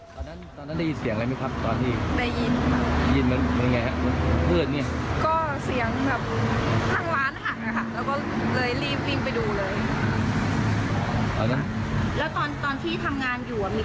ช่วงที่จะเกิดเหตุมีลมอะไรกันช่องมีอะไรไม่